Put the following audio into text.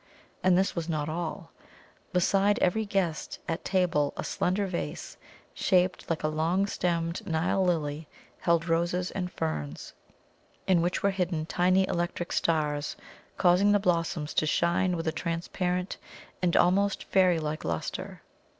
And this was not all. Beside every guest at table a slender vase, shaped like a long stemmed Nile lily, held roses and ferns, in which were hidden tiny electric stars, causing the blossoms to shine with a transparent and almost fairy like lustre.